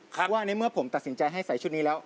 เพราะว่าในเมื่อผมตัดสินใจให้ใส่ชุดนี้แล้ว